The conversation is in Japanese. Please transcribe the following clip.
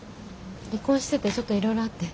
離婚しててちょっといろいろあって。